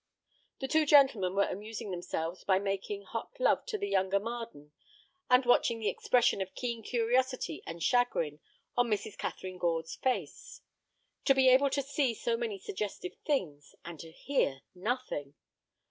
The two gentlemen were amusing themselves by making hot love to the younger Marden, and watching the expression of keen curiosity and chagrin on Mrs. Catharine Gore's face. To be able to see so many suggestive things, and to hear nothing!